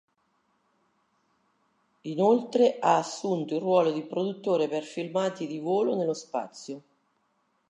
Inoltre ha assunto il ruolo di produttore per filmati di volo nello spazio.